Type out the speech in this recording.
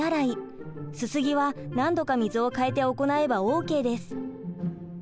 すすぎは何度か水を替えて行えばＯＫです。